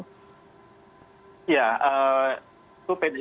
ya itu pdip beruntung mengambil kesempatan yang cukup tinggi